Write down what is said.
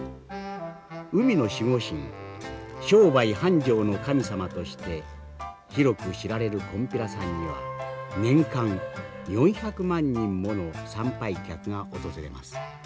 海の守護神商売繁盛の神様として広く知られるこんぴらさんには年間４００万人もの参拝客が訪れます。